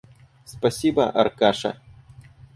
Спасибо, Аркаша.